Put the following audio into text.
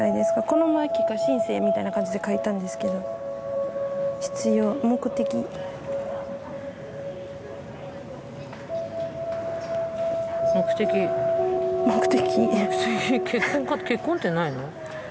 この前帰化申請みたいな感じで書いたんですけど必要目的目的目的「結婚」ってないの？